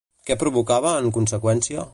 Què provocava en conseqüència?